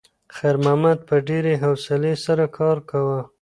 خیر محمد په ډېرې حوصلې سره کار کاوه.